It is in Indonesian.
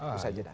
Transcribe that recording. itu saja dah